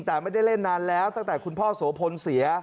แต่ไม่ได้เล่นนานแล้วตั้งแต่คุณพ่อโสพลเสีย